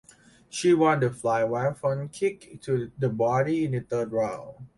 She won the fight via front kick to the body in the third round.